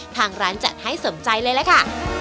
ทางร้านจัดให้สมใจเลยล่ะค่ะ